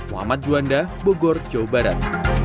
muhammad juanda bogor jawa barat